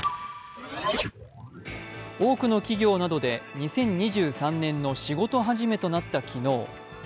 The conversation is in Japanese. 多くの企業などで２０２３年の仕事始めとなった昨日。